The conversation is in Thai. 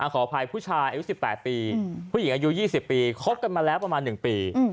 ขออภัยผู้ชายอายุ๑๘ปีผู้หญิงอายุ๒๐ปีคบกันมาแล้วประมาณ๑ปี